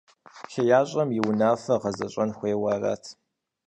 ХеящӀэм и унафээр гъэзэщӀэн хуейуэ арат.